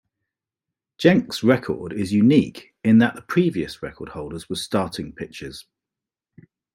Jenks' record is unique in that the previous record holders were starting pitchers.